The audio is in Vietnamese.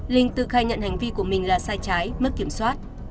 linh tự khai nhận hành vi của mình là sai trái mất kiểm soát